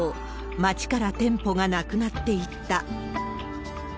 町から店舗がなくなっていった。